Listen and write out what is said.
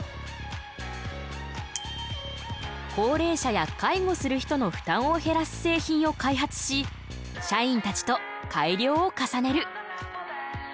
高齢者や介護する人の負担を減らす製品を開発し社員たちと改良を重ねる。